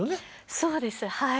そうですはい。